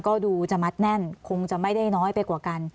ก็ดูจะมัดแน่นคงจะไม่ได้น้อยไปกว่ากัน